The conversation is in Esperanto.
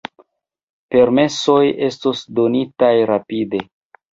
Permesoj estos donitaj rapide.